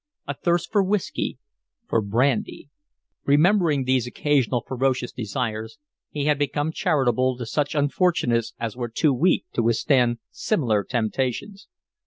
A thirst for whiskey for brandy! Remembering these occasional ferocious desires, he had become charitable to such unfortunates as were too weak to withstand similar temptations.